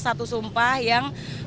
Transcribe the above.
satu sumpah yang